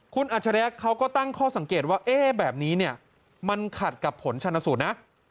คุณอัจฉริยะเขาก็ตั้งข้อสังเกตว่าแบบนี้เนี่ยมันขัดกับผลชนสูตรนะ